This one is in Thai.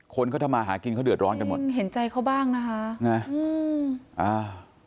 คนเขาทำมาหากินเขาเดือดร้อนกันหมดเห็นใจเขาบ้างนะคะนะอืมอ่า